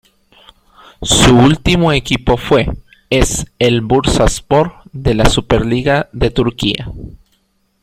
Su último equipo fue es el Bursaspor de la Superliga de Turquía.